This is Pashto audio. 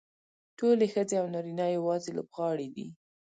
ټولې ښځې او نارینه یوازې لوبغاړي دي.